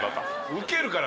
ウケるから。